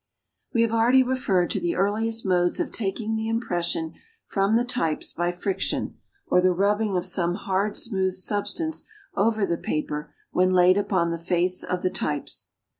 We have already referred to the earliest modes of taking the impression from the types by friction, or the rubbing of some hard smooth substance over the paper when laid upon the face of the types.